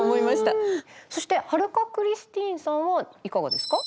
そして春香クリスティーンさんはいかがですか？